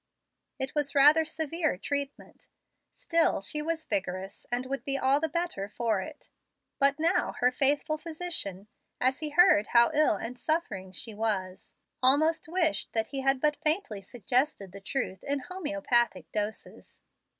It was rather severe treatment; still she was vigorous, and would be all the better for it. But now her faithful physician, as he heard how ill and suffering she was, almost wished that he had but faintly suggested the truth in homoeopathic doses.